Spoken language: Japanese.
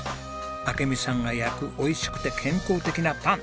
明美さんが焼くおいしくて健康的なパン。